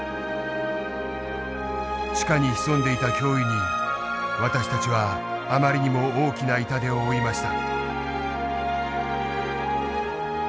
地下に潜んでいた脅威に私たちはあまりにも大きな痛手を負いました。